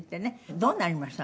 どうなりました？